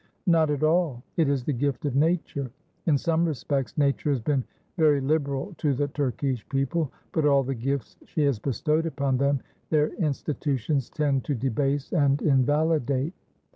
Not at all; it is the gift of nature. In some respects nature has been very liberal to the Turkish people; but all the gifts she has bestowed upon them, their institutions tend to debase and invalidate.